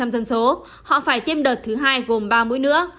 năm một mươi năm dân số họ phải tiêm đợt thứ hai gồm ba mũi nữa